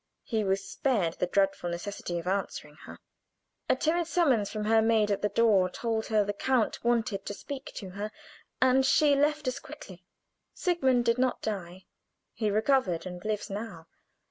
He was spared the dreadful necessity of answering her. A timid summons from her maid at the door told her the count wanted to speak to her, and she left us quickly. Sigmund did not die; he recovered, and lives now.